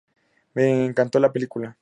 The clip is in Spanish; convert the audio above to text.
Me encantó la película.